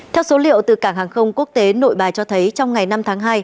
theo số liệu từ cảng hàng không quốc tế nội bài cho thấy trong ngày năm tháng hai